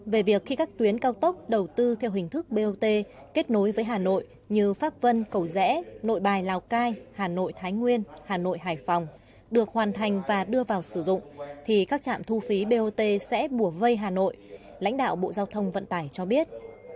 về việc khi các tuyến cao tốc đầu tư theo hình thức bot kết nối với hà nội như pháp vân cầu rẽ nội bài lào cai hà nội thái nguyên hà nội hải phòng được hoàn thành và đưa vào sử dụng thì các trạm thu phí bot sẽ bùa vây hà nội lãnh đạo bộ giao thông vận tải cho biết